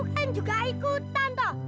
aku kan juga ikutan tuh